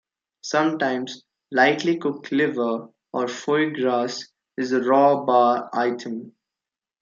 Sometimes lightly cooked liver or foie gras is a raw bar item.